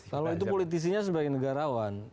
kalau itu politisinya sebagai negarawan